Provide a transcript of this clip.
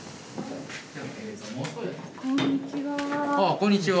こんにちは。